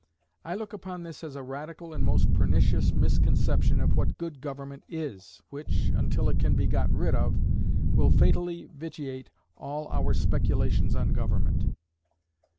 I look upon this as a radical and most pernicious misconception of what good government is, which, until it can be got rid of, will fatally vitiate all our speculations on government.